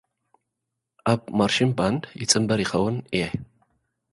ናብ ማርሺን ባንድ ይጽንበር ይኸውን እየ።